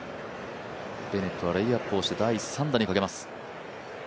ベネットはレイアップをして第３打にかけます。